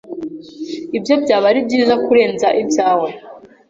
ibye byaba ari byiza kurenza ibyawe